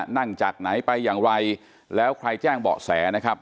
นั่งจากไหนไปอย่างไรแล้วใครแจ้งเบาะแสนะครับ